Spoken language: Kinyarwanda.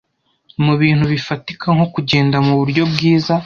mubintu bifatika nko kugenda muburyo bwiza